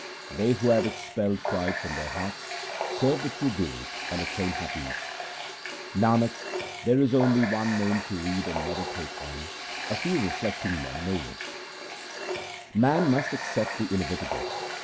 They who have expelled pride from their hearts, serve the true Guru and obtain happiness. Nanak, there is only one Name to read and meditate on ; a few reflecting men know this. HYMNS OF GURU AMAR DAS 241 Man must accept the inevitable.